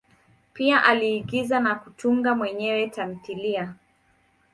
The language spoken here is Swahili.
Pia aliigiza na kutunga mwenyewe tamthilia.